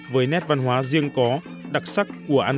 với nét văn hóa riêng có đặc sắc của an khê nói